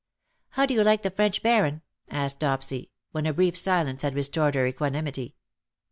'' How do you like the French Baron ?" asked Dopsy, when a brief silence had restored her equanimity.